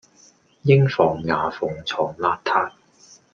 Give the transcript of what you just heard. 應防牙縫藏邋遢